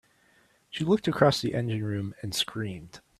She looked across the engine room and screamed.